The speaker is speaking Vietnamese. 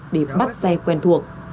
để bắt xe quen thuộc